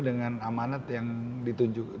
dengan amanat yang ditunjukkan